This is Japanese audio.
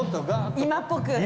今っぽく。